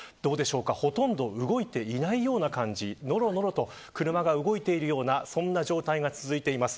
ほとんど動いていないような感じのろのろと車が動いているような状態が続いています。